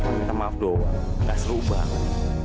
minta maaf doang gak seru banget